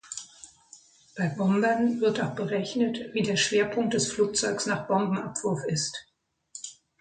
Bei Bombern wird auch berechnet, wie der Schwerpunkt des Flugzeugs nach Bombenabwurf ist.